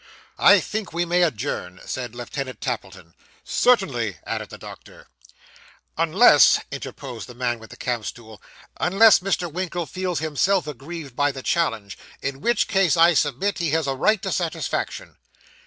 'I think we may adjourn,' said Lieutenant Tappleton. 'Certainly,' added the doctor. 'Unless,' interposed the man with the camp stool, 'unless Mr. Winkle feels himself aggrieved by the challenge; in which case, I submit, he has a right to satisfaction.